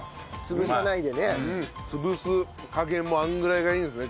潰す加減もあのぐらいがいいんですね